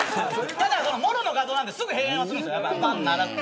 ただ、もろの画像なんですぐに閉園するんです。